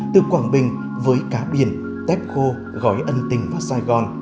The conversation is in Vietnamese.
từ quảng bình với cá biển tép khô gói ân tình và sài gòn